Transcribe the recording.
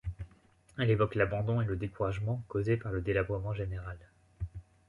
Elle évoque l'abandon et le découragement causés par le délabrement général.